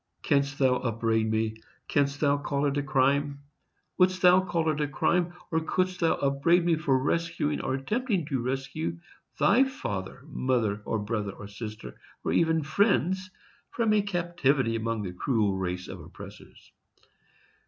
Canst thou upbraid me? canst thou call it crime? wouldst thou call it crime, or couldst thou upbraid me, for rescuing, or attempting to rescue, thy father, mother, or brother and sister, or even friends, from a captivity among a cruel race of oppressors?